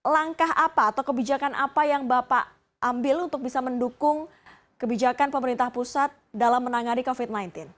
langkah apa atau kebijakan apa yang bapak ambil untuk bisa mendukung kebijakan pemerintah pusat dalam menangani covid sembilan belas